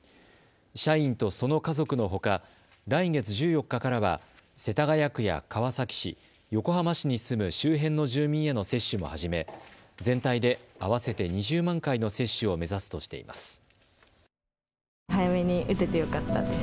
社員とその家族のほか来月１４日からは世田谷区や川崎市、横浜市に住む周辺の住民への接種も始め全体で合わせて２０万回の接種を目指すとしています。